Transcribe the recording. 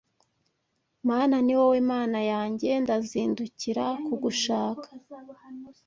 Mana, ni wowe Mana yanjye; ndazindukira kugushaka